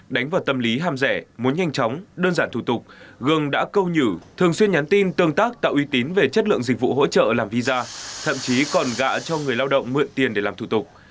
đánh vào tâm lý ham rẻ muốn nhanh chóng đơn giản thủ tục gương đã câu nhử thường xuyên nhắn tin tương tác tạo uy tín về chất lượng dịch vụ hỗ trợ làm visa thậm chí còn gạ cho người lao động mượn tiền để làm thủ tục